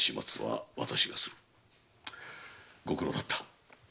ご苦労だった。